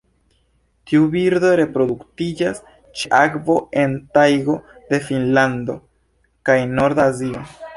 Tiu birdo reproduktiĝas ĉe akvo en tajgo de Finnlando kaj norda Azio.